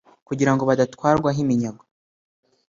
kugira ngo badatwarwaho iminyago,